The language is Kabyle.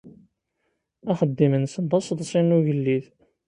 Axeddim-nsen d asseḍsi n ugellid.